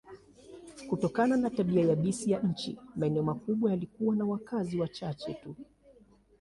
Kutokana na tabia yabisi ya nchi, maeneo makubwa yalikuwa na wakazi wachache tu.